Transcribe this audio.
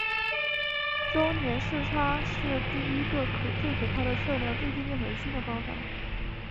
周年视差是第一个最可靠的测量最接近恒星的方法。